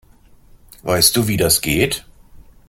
Weißt du, wie das geht?